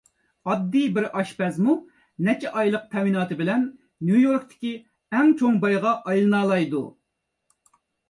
ئاددىي بىر ئاشپەزمۇ نەچچە ئايلىق تەمىناتى بىلەن نيۇ-يوركتىكى ئەڭ چوڭ بايغا ئايلىنالايدۇ.